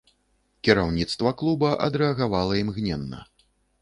Кіраўніцтва клуба адрэагавала імгненна.